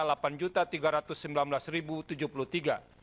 lapan juta tiga ratus sembilan belas ribu tujuh puluh tiga